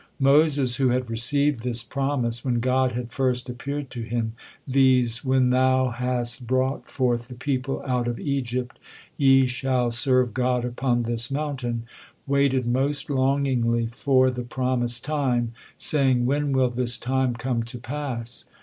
Moses, who had received this promise when God had first appeared to him, viz., "When thou has brought forth the people out of Egypt, ye shall serve God upon this mountain" waited most longingly for the promised time, saying, "When will this time come to pass?"